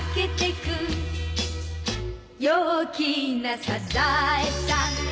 「陽気なサザエさん」